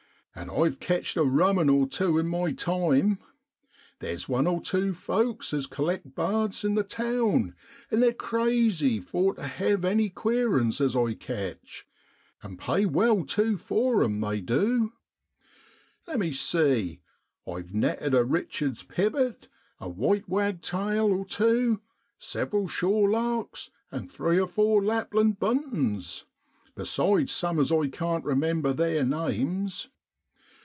An' I've ketcht a rummen or tew in my time. Theer's one or tew folks as collects bards 92 SEPTEMBER IN BEOADLAND in the town, and they're crazy for tu hev any queer uns as I ketch, and pay well tu for 'em, they du. Lemme see, I've netted a Eichard's pipit, a white wagtail or tew, several shore larks, and three or four Lapland buntings, besides some as I can't remember theer names.